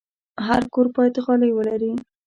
هر کور باید غالۍ ولري.